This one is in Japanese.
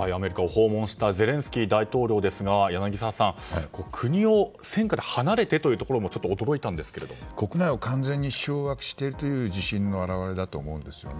アメリカを訪問したゼレンスキー大統領ですが柳澤さん、国を戦火から離れてというところにも国内を完全に掌握しているという自信の表れだと思うんですね。